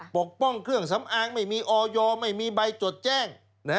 ปกป้องเครื่องสำอางไม่มีออยไม่มีใบจดแจ้ง